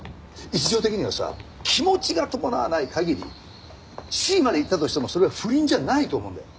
一条的にはさ気持ちが伴わない限りＣまでいったとしてもそれは不倫じゃないと思うんだよ。